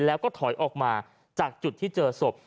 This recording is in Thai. แล้วก็ถอยออกมาจากจุดที่เจอศพ